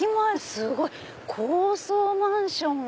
すごい高層マンションが。